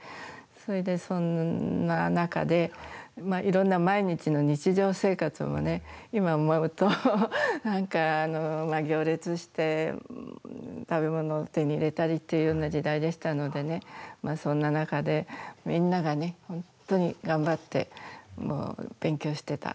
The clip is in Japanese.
それで、そんな中で、いろんな毎日の日常生活をね、今思うと、なんか、行列して、食べ物を手に入れたりっていうような時代でしたのでね、そんな中で、みんながね、本当に頑張って、勉強してた。